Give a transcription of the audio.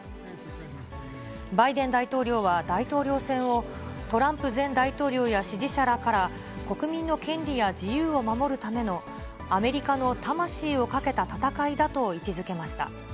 バイデン大統領は大統領選を、トランプ前大統領や支持者らから国民の権利や自由を守るための、アメリカの魂をかけた戦いだと位置づけました。